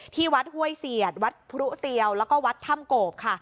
ที่วัดห้วยเสียดวัดพรุเตียวแล้วก็วัดถ้ำโกบค่ะ